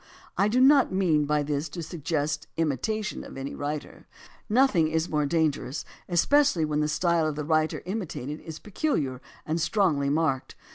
I do not mean by this to suggest imitation of any writer. Nothing is more dangerous, especially when the style of the writer imitated is peculiar and strongly marked.